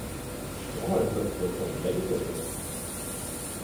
Jag har en mörkblå fondvägg i sovrummet.